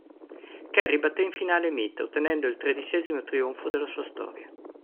Kerry batté in finale Meath ottenendo il tredicesimo trionfo della sua storia.